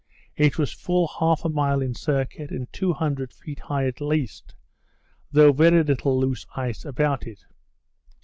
It was full half a mile in circuit, and two hundred feet high at least, though very little loose ice about it.